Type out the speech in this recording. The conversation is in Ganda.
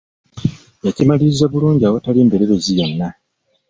Yakimaliriza bulungi awatali mberebezi yonna!